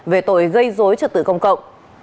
về tội gây dối trật tự công cộng